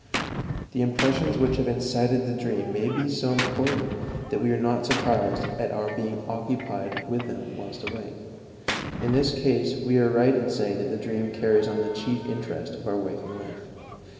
The impressions which have incited the dream may be so important that we are not surprised at our being occupied with them whilst awake; in this case we are right in saying that the dream carries on the chief interest of our waking life.